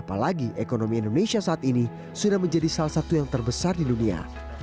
apalagi ekonomi indonesia saat ini sudah menjadi salah satu yang terbesar di dunia